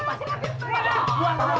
kang rasid sedang keluar